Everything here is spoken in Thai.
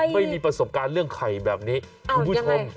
ไม่มีประสบการณ์เรื่องไข่แบบนี้คุณผู้ชม